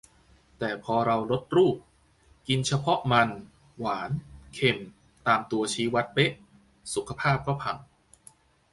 แต่พอเราลดรูป กินเฉพาะมัน หวาน เค็ม ตามตัวชี้วัดเป๊ะ สุขภาพก็พัง